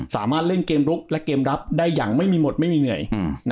สามารถเล่นเกมลุกและเกมรับได้อย่างไม่มีหมดไม่มีเหนื่อย